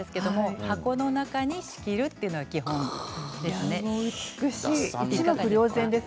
箱の中に仕切るというのが基本です。